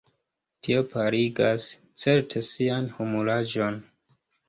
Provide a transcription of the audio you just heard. Tio paligas, certe, sian humuraĵon.